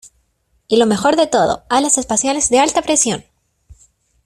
¡ Y lo mejor de todo, alas espaciales de alta presión!